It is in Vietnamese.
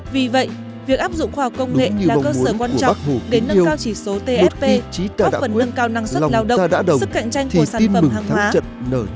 vì vậy việc áp dụng khoa học công nghệ là cơ sở quan trọng để nâng cao chỉ số tsp phần nâng cao năng suất lao động sức cạnh tranh của sản phẩm hàng hóa